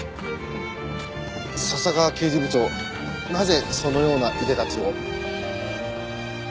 笹川刑事部長なぜそのようないでたちを？